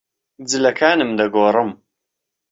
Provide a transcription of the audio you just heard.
جلەکانم دەگۆڕم.